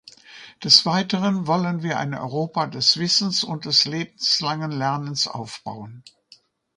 Des Weiteren wollen wir ein Europa des Wissens und des lebenslangen Lernens aufbauen.